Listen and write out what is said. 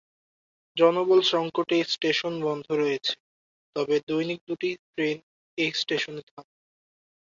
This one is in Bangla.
জনবল সংকটে এই স্টেশন বন্ধ রয়েছে, তবে দৈনিক দুটি ট্রেন এই স্টেশনে থামে।